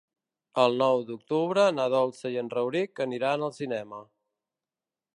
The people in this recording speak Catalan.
El nou d'octubre na Dolça i en Rauric aniran al cinema.